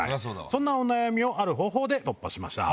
そんなお悩みをある方法で突破しました。